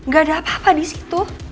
gak ada apa apa di situ